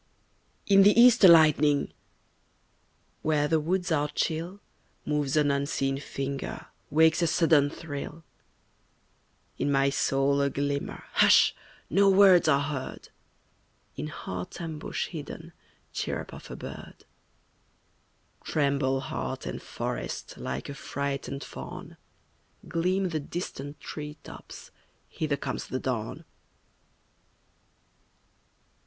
In the east a lightening; Where the woods are chill Moves an unseen finger, Wakes a sudden thrill; In my soul a glimmer, Hush! no words are heard! In heart ambush hidden Chirrup of a bird; Tremble heart and forest Like a frightened fawn, Gleam the distant tree tops, Hither comes the dawn!